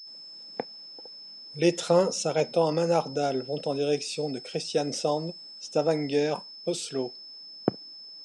Les trains s'arrêtant à Manardal vont en direction de Kristiansand, Stavanger, Oslo.